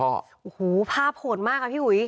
โอ้โหภาพโหดมากอะพี่อุ๋ย